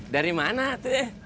dari mana teh